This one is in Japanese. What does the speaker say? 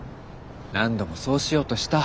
何度もそうしようとした。